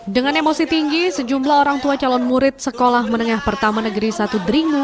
dengan emosi tinggi sejumlah orang tua calon murid sekolah menengah pertama negeri satu deringu